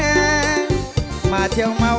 มาเที่ยวเมาท์มาเที่ยวเมาท์